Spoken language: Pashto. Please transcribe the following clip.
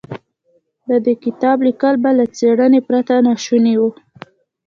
د دې کتاب ليکل به له څېړنې پرته ناشوني و.